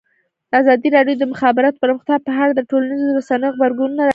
ازادي راډیو د د مخابراتو پرمختګ په اړه د ټولنیزو رسنیو غبرګونونه راټول کړي.